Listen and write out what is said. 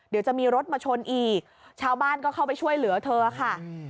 เดี๋ยวจะมีรถมาชนอีกชาวบ้านก็เข้าไปช่วยเหลือเธอค่ะ